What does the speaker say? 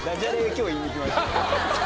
今日言いに来ました。